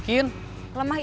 tidak ada apa apa